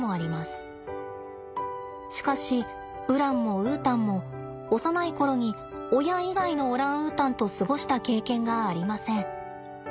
しかしウランもウータンも幼い頃に親以外のオランウータンと過ごした経験がありません。